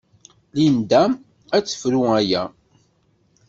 Linda ad tefru aya.